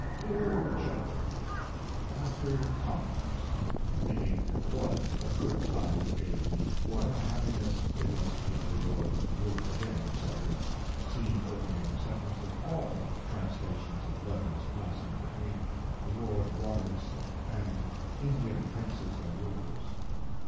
DEAR JOE, (After compliments.) [Meaning "What a good time you gave me; what a happiness it was to be under your roof again," etc. See opening sentence of all translations of letters passing between Lord Roberts and Indian princes and rulers.